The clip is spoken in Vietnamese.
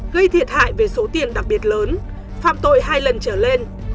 gây thiệt hại về số tiền đặc biệt lớn phạm tội hai lần trở lên